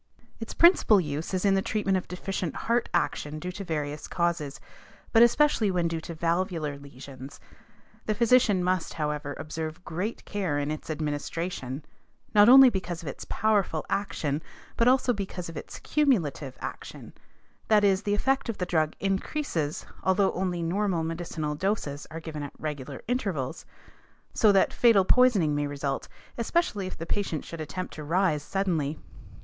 Its principal use is in the treatment of deficient heart action due to various causes but especially when due to valvular lesions. The physician must, however, observe great care in its administration, not only because of its powerful action but also because of its "cumulative action;" that is, the effect of the drug increases although only normal medicinal doses are given at regular intervals, so that fatal poisoning may result, especially if the patient should attempt to rise suddenly.